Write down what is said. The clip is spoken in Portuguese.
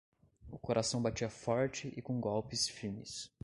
O coração batia forte e com golpes firmes.